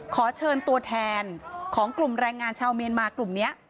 ขอเชิญตัวแทนของกลุ่มแรงงานชาวเมียนมากลุ่มนี้